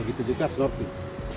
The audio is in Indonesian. begitu juga slorping